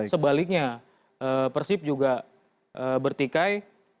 sebaliknya persib juga bertikai